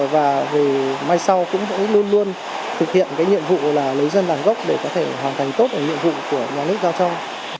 và về mai sau cũng sẽ luôn luôn thực hiện cái nhiệm vụ là lấy dân làm gốc để có thể hoàn thành tốt cái nhiệm vụ của nhà nước giao trong